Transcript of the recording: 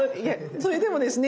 それでもですね